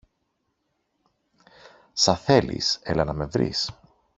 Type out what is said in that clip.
Σα θέλεις, έλα να με βρεις.